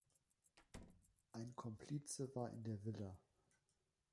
Ein Komplize war in der Villa.